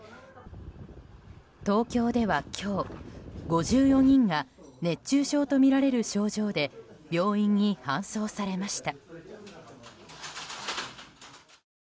東京では今日、５４人が熱中症とみられる症状で病院に搬送されました。